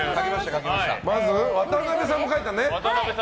まず、渡邊さんも書いたね。